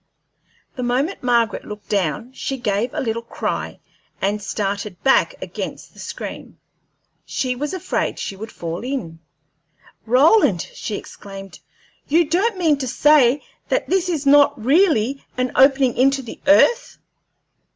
The moment Margaret looked down she gave a little cry, and started back against the screen. She was afraid she would fall in. "Roland," she exclaimed, "you don't mean to say that this is not really an opening into the earth?"